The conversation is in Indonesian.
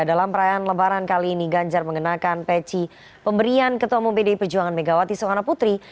dalam perayaan lebaran kali ini ganjar mengenakan peci pemberian ketua umum pdi perjuangan megawati soekarno putri